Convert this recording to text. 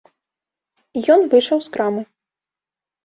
І ён выйшаў з крамы.